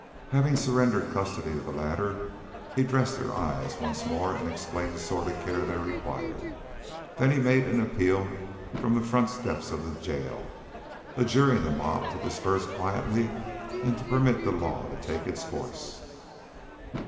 Having surrendered custody of the latter, he dressed their eyes once more and explained the sort of care they required, then he made an appeal from the front steps of the jail, adjuring the mob to disperse quietly and permit the law to take its course.